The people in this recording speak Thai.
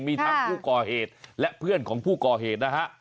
มีทั้งผู้ก่อเหตุและเพื่อนของผู้ก่อเหตุนะฮะ